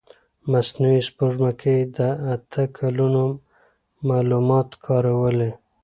مصنوعي سپوږمکۍ د اته کلونو معلومات کارولي.